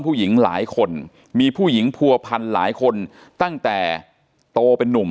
ผู้หญิงหลายคนมีผู้หญิงผัวพันหลายคนตั้งแต่โตเป็นนุ่ม